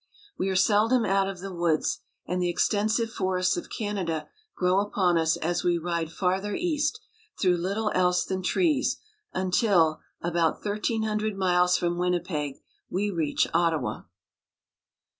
We are seldom out of the woods, and the extensive forests of Canada grow upon us as we ride farther east, through little else than trees, until, about thirteen hundred miles from Winnipeg, we reach Ottawa.